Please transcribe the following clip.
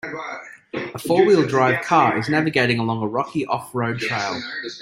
A four wheel drive car is navigating along a rocky off road trail.